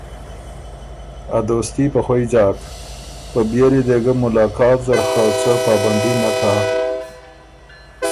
ا دوستي په خوئ ځاک، په بيېلی دې ګۀ ملاقات زر خه څۀ پابندي نک هۀ۔